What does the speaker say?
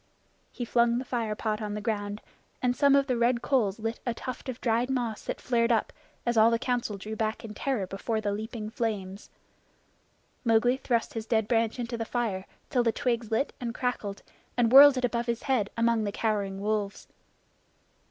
He flung the fire pot on the ground, and some of the red coals lit a tuft of dried moss that flared up, as all the Council drew back in terror before the leaping flames. Mowgli thrust his dead branch into the fire till the twigs lit and crackled, and whirled it above his head among the cowering wolves.